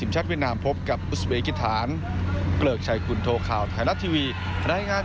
ผมคิดว่าเกิดขึ้นได้อะไรก็เกิดขึ้นได้ในบัตรกับอิราณ